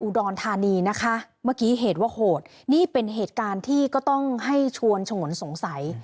รธานีนะคะเมื่อกี้เหตุว่าโหดนี่เป็นเหตุการณ์ที่ก็ต้องให้ชวนฉงนสงสัย